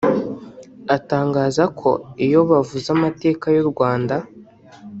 Atangaza ko iyo bavuze amateka y’u Rwanda